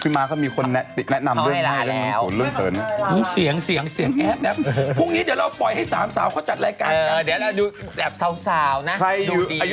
ขึ้นมาเขามีคนแนะนำเรื่องเดิมให้เลย